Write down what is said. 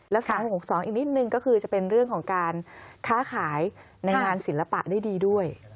และ๓๖๒อีกนิดนึงก็คือจะเป็นเรื่องของการค้าขายในงานศิลปะได้ดีด้วย